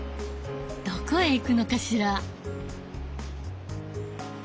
どこへ行くのかしら？